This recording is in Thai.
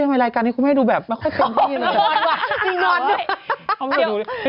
ทำไมรายการนี้คุณแม่ดูแบบไม่ค่อยเต็มที่